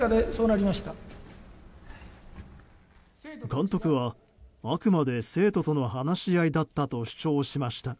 監督は、あくまで生徒との話し合いだったと主張しました。